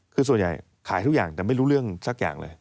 คือส่วนใหญ่ขายทุกอย่างแต่ไม่รู้เรื่องสักอย่างเลย